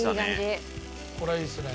これはいいですね。